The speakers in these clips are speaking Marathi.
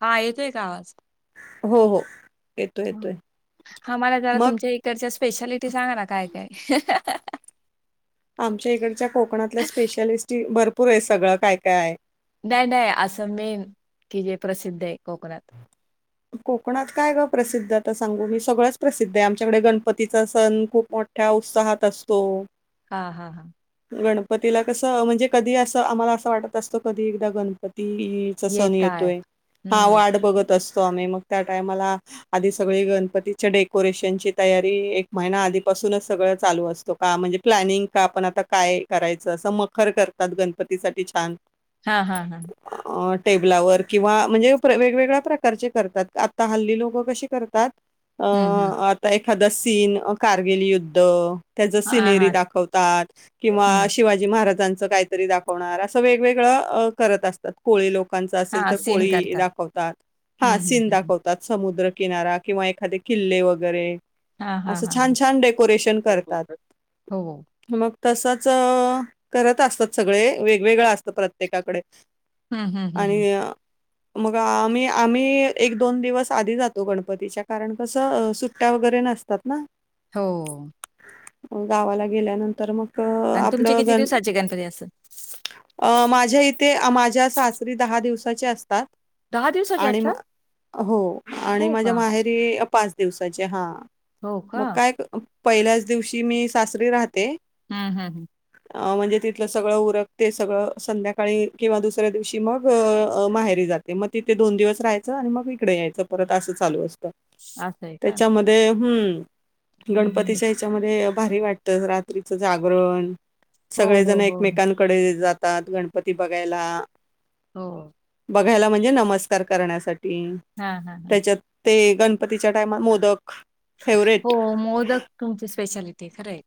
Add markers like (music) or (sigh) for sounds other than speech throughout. हा येतोय का आवाज हो हो येतोय येतोय हा मला जरा मग तुमच्या इकडच्या स्पेशालिटी सांगा ना काय काय आमच्या इकडच्या कोकणातल्या स्पेशलिस्टी भरपूर आहे सगळं काय काय आहे नाही नाही असं मेन की जे प्रसिद्ध आहे कोकणात कोकणात काय ग प्रसिद्ध आता सांगू मी सगळंच प्रसिद्ध आहे आमच्याकडे गणपतीचा सण खूप मोठ ठ्या उत्साहात असतो. हा हा हा गणपतीला कसं म्हणजे कधी असं आम्हाला असं वाटत असतं कधी एकदा गणपती चा सण येत आहेत. येतोय हा हं. वाट बघत असतो आम्ही मग त्या टायमाला आधी सगळी गणपतीच्या डेकोरेशनची तयारी एक महिना आधीपासूनच सगळं चालू असतो का म्हणजे प्लॅनिंग का आपण आता काय करायचं? असं मखर करतात गणपतीसाठी छान हा हा हा अ टेबलावर किंवा म्हणजे प्र वेगवेगळ्या प्र चे करतात आता हल्ली लोकं कशी करतात अ हं, हं. आ ता एखादा सीन कारगिल युद्ध त्याचं हां, सिनेरी हां. दाखवतात किंवा हं. शिवाजी महाराजांचं काय तरी दाखवणार असं वेगवेगळं करत असतात कोळी लोकांचे असेल हां, तर सीन कोळी करतात. दाखवतात. हा हं, हं, सिन हं, हं. दाखवतात समुद्रकिनारा किंवा एखादे किल्ले वगैरे हां, हां, असं हां, हां. छान छान डेकोरेशन करतात. हो. मग तसंच करत असतात सगळे वेगवेगळं असतं प्रत्येकाकडे हं, हं, हं, आणि हं. मग आम्ही आम्ही एक दोन दिवस आधी जातो गणपतीच्या कारण कसं सुट्ट्या वगैरे नसतात ना हो मग गावाला गेल्यानंतर मग अ, आणि तुमचे आपलं किती गण दिवसांचे गणपती असतात? अ माझ्या इथे माझ्या सासरी दहा दिवसाचे असतात. दिवसाचे आणि मा असतात? हो आणि हो माझ्या का? माहे री पाच दिवसाचे हा हो का? मग काय अं पहिल्याच दिवशी मी सासरी राहते. हम् हम् हम अ म्हणजे तिथलं सगळं उरकते सगळं संध्याकाळी किंवा दुसऱ्या दिवशी मग अं माहेरी जाते म ती ते दोन दिवस राहायचं आणि मग इकडे यायचं परत असं चालू असतं असं आहे का? हं, त्याच्याम हम्म हं, हं. गणपतीच्या हच्यामध्ये भारी वाटतं रात्रीचं जागरण हो, हो, सगळेजणं हो, एकमेकांकडे जातात गणपती बघायला. हो बघायला म्हणजे नमस्कार करण्यासाठी हां, हां, हां. त्याच्यात ते गणपतीच्या टायमा मोदक फेवरेट हो मोदक तुमची स्पेशालिटी हाय खरंय.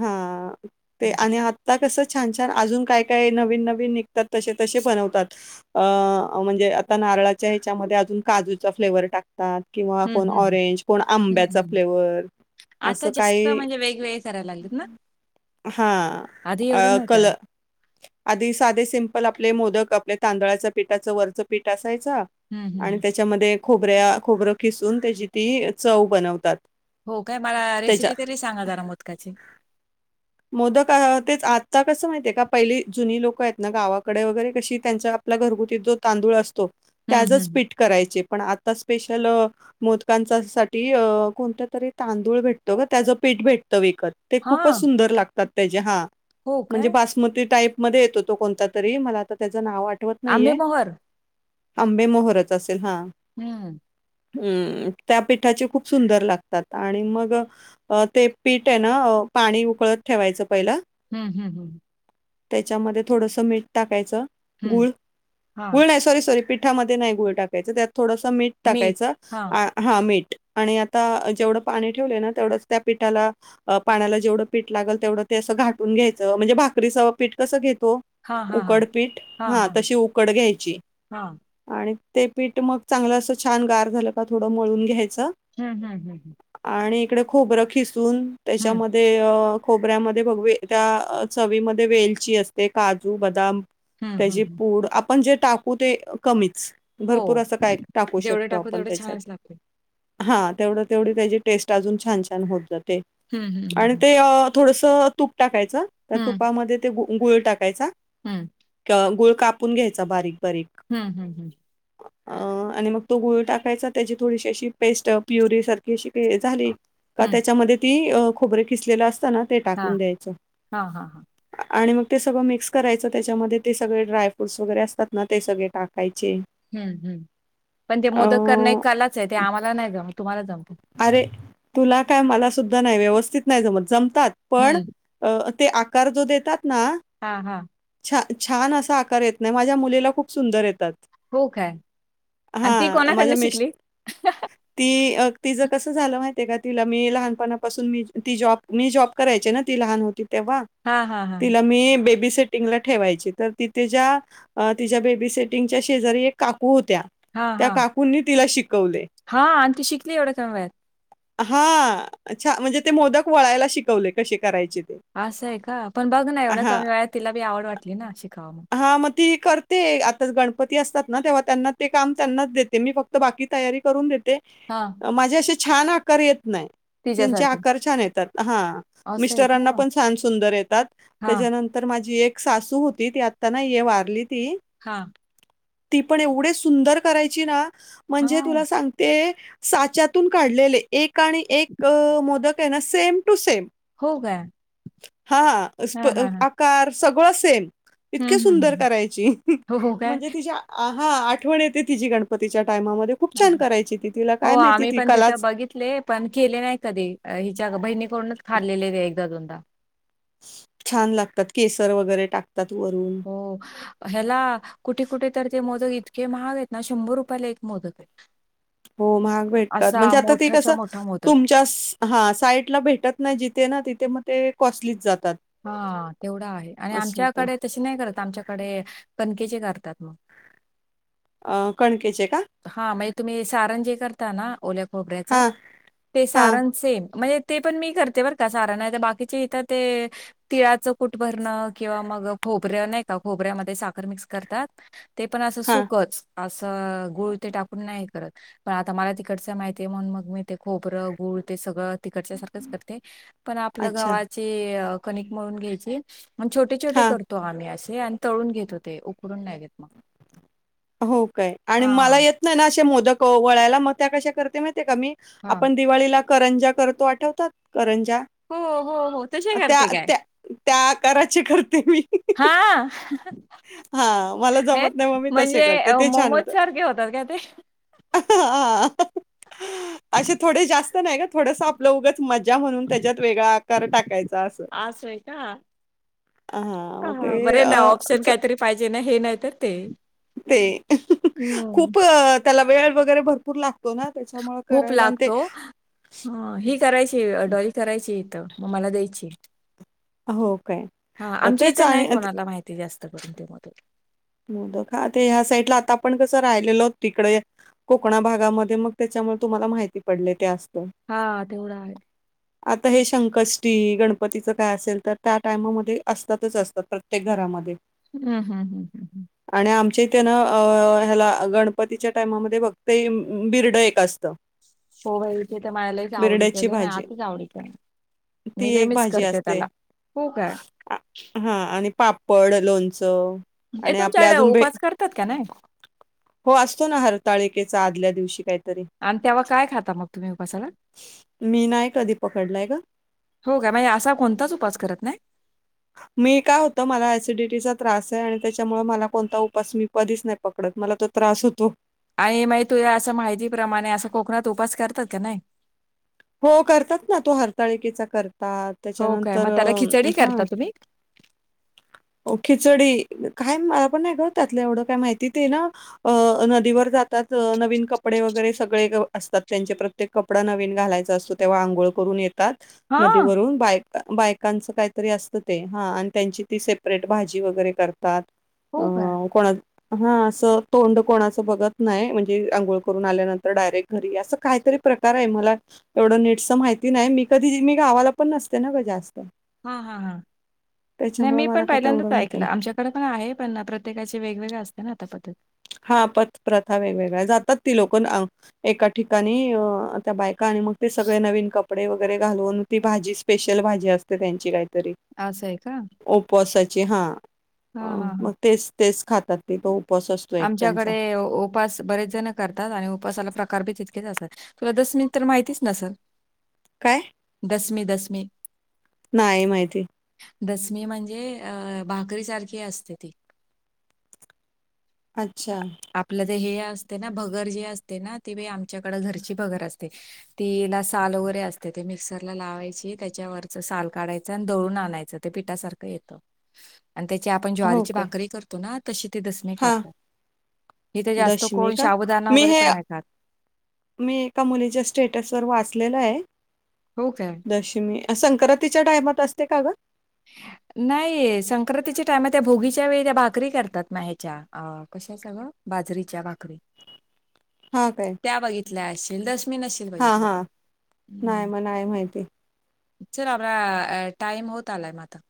हा ते आणि आता कसं छान छान अजून काय काय नवीन नवीन निघतात तसे तसे बनवतात. अ म्हणजे आता नारळाच्या ह्याच्यामध्ये अजून काजूचा फ्लेवर टाक तात किंवा हं, कोण हं, हं. ऑरेंज कोण हं, आंब्याचा हं, हं. फ्लेवर आता असं जास्त काही म्हणजे वेगवेगळे करायला लागलेत ना हा आधी अ एवढं नव्हतं ना कल आधी साधे सिंपल आपले मोदक आपल्या तांदळाच्या पीठाचं वरचं पीठ असायचं. हं, हं, आणि हं. त्याच्यामध्ये खोबऱ्या खोबरं खिसून त्याची ती चव बनवतात. हो काय मला त्याच्या रेसिपी तरी सांगा जरा मोदकाची. मोदक तेच आता कसं माहितीये का पहिली जुनी लोकं आहेत ना गावाकडे वगैरे कशी त्यांच्या आपला घरगुती जो तांदूळ असतो हं, त्याचच हं. पीठ करायचे, पण आता स्पेशल अ मोदकांचा साठी अ कोणता तरी तांदूळ भेटतो ग त्याचं पीठ भेट त विकत, ते हा खूपच सुंदर लागतात त्याचे हा हो म्हणजे काय बास मती टाईप मध्ये येतो तो कोणता तरी मला आता त्याच नाव आठवत नाहीये. आंबेमोहर आंबे मोहरच असेल हा. हम्म हम्म त्या पिठाचे खूप सुंदर लागतात, आणि मग- अ ते पीठ आहे ना, अ पाणी उकळत ठेवायचं पहिला. हम्म हम्म हम्म त्याच्यामध्ये थोडस मीठ टाकायचं हं. गुळ, हा गुळ नाही सॉरी सॉरी पिठामध्ये नाही गुळ टाकायचं त्यात थोडसं मीठ टाकायचं हा मीठ, आणि आता जेवढं पाणी ठेवलय ना तेवढंच त्या पिठाला पाण्याला जेवढ पीठ लागल तेवढं ते असं घाटून घ्यायंच म्हणजे भाकरीच पीठ कसं घेतो हा हा हा उकडपीठ, हा तशी उकड घ्यायची. हा आणि ते पीठ मग चांगलं असं छान गार झालं का थोडं मळून घ्यायचं. हम्म हम्म हम्म हम्म आणि इकडे खोबरं खिसून हं, त्याच्यामध्ये अ- खोबऱ्यामध्ये भगवे त्या चवीमध्ये वेलची असते काजू, बदाम हं, हं, त्याची हं. पूड, आपण जे टाकू ते कमीच. हो भरपूर अस काय टाकू जेवढे शकतो टाकू आपण तेवढे त्याच्यात. छानच लागते हा तेवढ-तेवढी त्याची टेस्ट अजून छान छान होत जाते हं, हं, हं, आणि हं. ते अ थोडस तूप टाकायच, त्या तुपामध्ये ते गुळ टाकायचा. हम्म क गुळ कापून घ्यायचा बारीक बारीक. हम्म हम्म हं अ आणि मग तो गुळ टाकायचा त्याची थोडीशी अशी पेस्ट प्युरी सारखी अशी की झाली का हं. त्याच्यामध्ये ती खोबर खिसलेल असत ना ते हा टाकून द्यायचं. हा हा हा आणि मग ते सगळं मिक्स करायचं त्याच्यामध्ये ते सगळे ड्राय फ्रूटस वगैरे असतात ना ते सगळे टाकायचे. हम्म हम्म, पण ते अ, मोदक करण एक कलाच आहे, ते आम्हाला नाही जमत, तुम्हालाच जमते. अरे तुला काय मला सुद्धा नाही व्यवस्थित नाही जमत जमतात, पण हम्म. अ ते आकार जो देतात ना हां हां छा छान असा आकार येत नाही, माझ्या मुलीला खूप सुंदर येतात. हो काय? आणि ती हा कोणाकडनं माझ्या मिस्ट, शिकली? ती अ तिचं कसं झालं माहितीये का तिला, मी लहानपणा पासून मी ती जॉब मी जॉब करायची ना ती लहान होती तेव्हा हां, हां, हां. तिला मी बेबी सेट टिंग ला ठेवायची तर ती तिच्या, तिच्या बेबी सेटिंगच्या शेजारी एक काकू होत्या त्या काकूंनी तिला शिकवले. हा आणि ती शिकली एवढ्या कमी वयात? हा छा म्हणजे ते मोदक वळायला शिकवले कसे करायचे ते. असं आहे का पण बघ ना एवढया हां. कमी वयात तिला बी आवड वाटली ना शिकाव म्हणून. हां, मग ती करते, आता गणपती असतात ना तेव्हा त्यांना ते काम त्यांनाच देते मी फक्त बाकी तयारी करून देते. हा माझे असे छान आकार येत नाय. त्यांचे तिच्यासारखी. आकार छान येतात हा असं आहे मिस्टरांना का? पण छान सुंदर येतात हां, त्याच्यानंतर तर माझी एक सासू होती ती आता नाहिये वारली ती हा ती पण एवढे सुंदर करायची ना म्हणजे हां. तुला सांगते साच्यातून काढलेले एक आणि एक मोदक आहे ना सेम टू सेम हो काय हा हां, हा हां, हां. आकार सगळ सेम इतकी हं, हं, हं. सुंदर हं. करायची हो, हो काय? म्हणजे तिच्या हा आठवण येते तिझी गणपतीच्या टायमामध्ये खूप हां, छान करायची ती तिला काय माहिती ती कलाच घितले पण केले नाही कधी हिच्या बहिणी कोडूनच खाल्लेले एकदा दोनदा छान लागतात केसर वगैरे टाकतात वरून हो हेला कुठे कुठे तर ते मोदक इतके महाग आहेत ना शंभर रुपयाला एक मोदक हो महाग भेटतात असा म्हणजे आता ते मोठाच्या कसं मोठा मोदक तुम च्यास् हा साईटला भेटत नाही जिथे ना तिथे मग ते कॉस्टलीच जातात हा तेवढा आहे आणि असं होतं आमच्याकडे तशी नाही करत आमच्याकडे कणकेचे करतात मग आ कणकेचे का हा म्हणजे तुम्ही सारण जे करता ना ओल्या खोबऱ्याच हा ते हा सारण सेम म्हणजे ते पण मी करते बरं का सार नाही तर बाकीचे इथं ते तिळाचं कुट भरण किंवा मग खोबऱ्या नाही का खोबऱ्यामध्ये साखर मिक्स करतात ते पण अस हा सुखच अस गुळ ते टाकून नाही करत पण आता मला तिकडच माहितीये म्हणून मग मी ते खोबर गुळ ते सगळ तिकडच्या सारखच करते पण आपल्या अच्छा गव्हाचे कणीक मळून घ्यायचे छोटे छोटे हा करतो आम्ही असे आणि तळून घेतो ते उकडून नाही घेत हो काय आणि हा मला येत नाही ना असे मोदक वळायला मग त्या कशा करते माहिते का मी हा आपण दिवाळीला करंजा करतो आठवतात करंजा हो हो हो तश त्या करते काय त्या त्या आकाराचे करते मी हा हां, मला हे जमत नाही मग मी तसे म्हणजे करते ते मोमोज सारखे होतात का ते हा असे थोडे जास्त नाही का थोडंस आपलं उगच मज्जा म्हणून त्याच्यात वेगळा आकार टाकायचा असं अस हाय का अ हा म हां, ते हां. बरे अ ना ऑप्शन च काहीतरी पाहिजे ना हे नाही तर ते ते हं. खूप त्याला वेळ वगैरे भरपूर लागतो ना त्याच्यामुळे करायला आणि ते हे ही करायची अडोली करायची इथं मग मला द्यायची हो काय. हा अ, आमच्या तेच इथं नाही आणि कोणाला माहिती जास्त करून ते मोदक मोदक हा ते ह्या साईडला आता आपण कसं राहिलेल होत तिकडे कोकणा भागामध्ये मग त्याच्यामुळे तुम्हाला माहिती पडले ते असत हा तेवढा आहे ह (unintelligible) आता हे संकष्टी गणपतीचं काय असेल तर त्या टायमामध्ये असतातच असतात प्रत्येक घरामध्ये हम् हम हम हम हम आणि आमच्या इथे ना अ ह्याला गणपतीच्या टायमामध्ये फक्ते बिर्ड एक असत. हो वयचे ते तर मला लईच आवडीच आहे भाजी अतीच आवडीच आहे. मि ती लई मिस करते त्याला. हो काय! हा आणि पापड, लोणचं हे आणि आपले तुमच्याकडे अजून भे उपास करतात का नाही? हो असतो ना हरताळिकेचा आदल्या दिवशी काही तरी आणि तेव्हा काय खाता मग तुम्ही उपासाला? मी नाहीय कधी पकडलाय ग. हो काय म हे असा कोणताच उपास करत नाही? मी काय होत मला ॲसिडिटीचा त्रास आहे आणि त्याच्यामुळे मला कोणता उपास म कधीच नाही पकडत मला तो त्रास होतो. आई माई तुझ्या असं माहितीप्रमाणे असं कोकणात उपास करतात का नाही? हो करतात ना तो हरताळिकेचा करतात हो काय? त्याच्यानंतर मग त्याला खिचडी हा करता तुम्ही? खिचडी काय मलापण नाही ग त्यातलं एवढं काय माहिती ते ना अ नदीवर जातात नवीन कपडे वगैरे सगळे असतात त्यांचे प्रत्य ते कपडा नवीन घालायचा असतो तेव्हा अंघोळ करून येतात. हां. नदीवरून बाय बायकांच काहीतरी असतं ते हा अन् त्यांची ती सेपरेट भाजी वगैरे करतात अ हो का? कोणा हा असं तोंड कोणाचं बघत नाही म्हणजे आंघोळ करून आल्यानंतर डायरेक्ट घरी असं काहीतरी प्रकार आहे मला एवढं नीटस माहिती नाही मी कधी मी गावाला पण नसते ना ग जास्त. हा हा हा नाही त्याच्यामुळं मी मला पण काय तेवढं पहिल्यांदाच माहिती ऐकलं नाही. आमच्या कडे पण आहे पण ना प्रत्येकाचे वेगवेगळे असते ना आता पद्धत. हा पथ-प्रथा वेगवेगळ्या जातात ती लोक एका ठिकाणी अ त्या बायका आणि मग ते सगळे नवीन कप कपडे वगैरे घालून ती भाजी स्पेशल भाजी असते त्यांची काहीतरी. असंय का उपवासाची हा मग हां, अ हां, म हां. तेच तेच खातात तिथ उपवास अस आमच्याकडे उपास बरेच जण करतात आणि उपवासाला प्रकार बी तितकेच असतात. तुला दसमी तर माहितीच नसल. काय? दसमी दसमी नाही माहिती. दसमी म्हणजे अ भाकरी सारखी असते ती. अच्छा आपलं ते हे असते ना भगर जे असते ना ती आमच्याकडें घरची भगर असते. तिला साल वगैरे असते ते मिक्सरला लावायची त्याच्यावरच साल काढायचं आणि दळून आणायचं. ते पिठासारखं येतं. आणि त्याची आपण हो ज्वारीची काय? भाकरी करतो ना तशी ते दसमी हां, करतात. इथे जास्त दशमी कोण का साबुदाणा मी वगैरे हे पण नाही खात मी एका मुलीच्या स्टेटसवर वाचलेलं आहे. हो काय? दशमी अ संक्रांतीच्या टायमात असते का ग? नाहीय संक्रांतीच्या टायमात त्या भोगीच्या वेळी त्या भाकरी करतात ना ह्याच्या अ कशाच्या गं बाजरीच्या भाकरी. हा काय. त्या बघितल्या असतील (inaudible) हा हा नाही म नाही माहिती. चल आला टाइम होत आलाय म आता.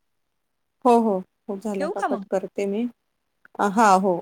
हो हो झाला ठेवू आता का कट मग करते मी हा हो.